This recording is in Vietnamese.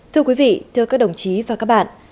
thưa quý vị thưa các đồng chí và các bạn